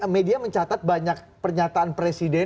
media mencatat banyak pernyataan presiden